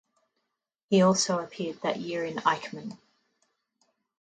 He also appeared that year in Eichmann.